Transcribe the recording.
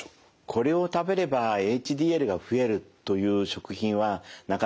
これを食べればＨＤＬが増えるという食品はなかなかございません。